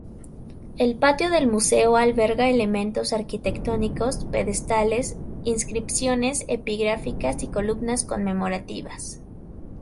El patio del museo alberga elementos arquitectónicos, pedestales, inscripciones epigráficas y columnas conmemorativas.